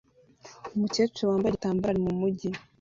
Umukecuru wambaye igitambaro ari mumujyi